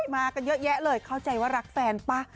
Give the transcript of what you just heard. มากันเยอะแยะเลยเข้าใจว่ารักแฟนป่ะ